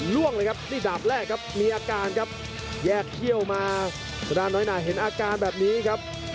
ล่วงเลยครับนี่ดาบแรกครับมีอาการครับแยกเขี้ยวมาทางด้านน้อยหนาเห็นอาการแบบนี้ครับ